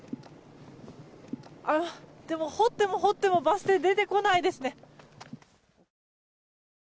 でも、掘っても掘ってもバス停、出てこないですね。